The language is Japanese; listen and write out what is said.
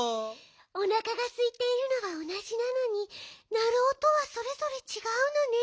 おなかがすいているのはおなじなのになるおとはそれぞれちがうのね。